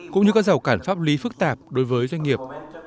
cũng như các rào cản pháp lý phức tạp đối với doanh nghiệp